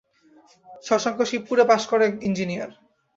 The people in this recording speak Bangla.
শশাঙ্ক শিবপুরে পাস-করা এঞ্জিনিয়ার।